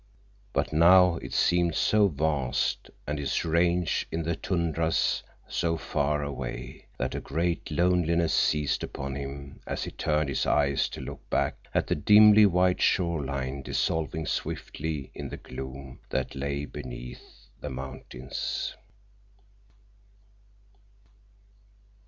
But now it seemed so vast, and his range in the tundras so far away, that a great loneliness seized upon him as he turned his eyes to look back at the dimly white shore line dissolving swiftly in the gloom that lay beneath the mountains.